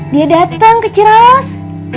dia dateng ke ciraos